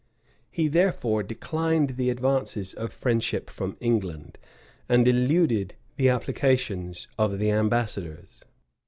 He therefore declined the advances of friendship from England, and eluded the applications of the ambassadors.